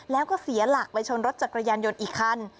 แล้วก็เสียหลักไปชนรถจักรยานยนต์อีกคัน